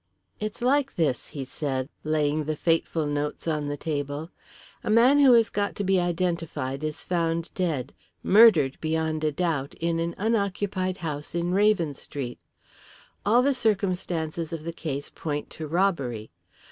"It's like this," he said, laying the fateful notes on the table. "A man who has got to be identified is found dead murdered, beyond a doubt, in an unoccupied house in Raven Street. All the circumstances of the case point to robbery.